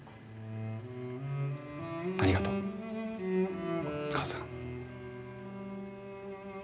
ありがとう母さん。